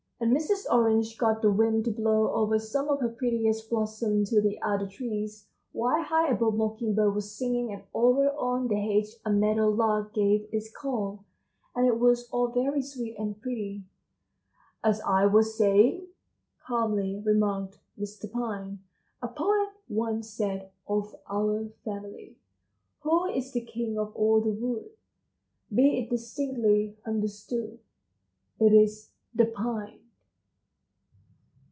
And Mrs. Orange got the wind to blow over some of her prettiest blossoms to the other trees, while high above Mockingbird was singing and over on the hedge a meadow lark gave its call, and it was all very sweet and pretty. "As I was saying," calmly remarked Mr. Pine, "a poet once said of our family: Who is the king of all the wood? Be it distinctly understood It is the Pine!"